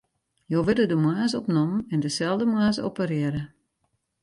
Jo wurde de moarns opnommen en deselde moarns operearre.